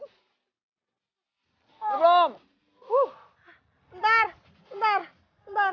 bentar bentar bentar